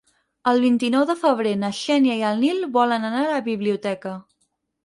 El vint-i-nou de febrer na Xènia i en Nil volen anar a la biblioteca.